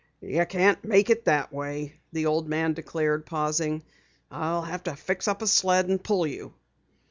"You can't make it that way," the old man declared, pausing. "I'll have to fix up a sled and pull you."